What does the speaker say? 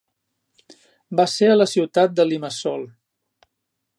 Va ser a la ciutat de Limassol.